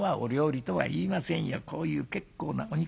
こういう結構なお肉